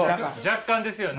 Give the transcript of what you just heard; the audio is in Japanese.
若干ですよね。